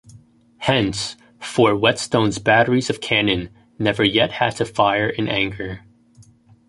Hence, Fort Whetstone's batteries of cannon never yet had to fire in anger.